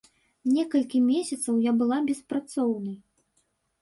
Некалькі месяцаў я была беспрацоўнай.